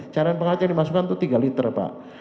cairan penghasil yang dimasukkan itu tiga liter pak